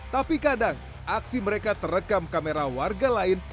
tapi kadang aksi mereka terekam kamera warga lain